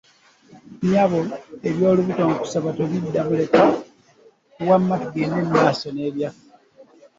Nnyabo eby'olubuto nkusaba tobiddamu leka wamma tugende mu maaso na byaffe.